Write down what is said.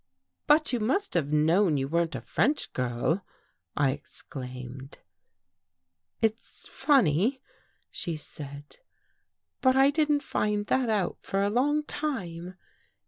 But you must have known you weren't a French girl !" I exclaimed. " It's funny," she said, " but I didn't find that out for a long time.